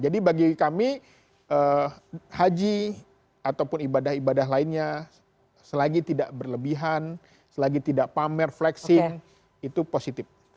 jadi bagi kami haji ataupun ibadah ibadah lainnya selagi tidak berlebihan selagi tidak pamer fleksing itu positif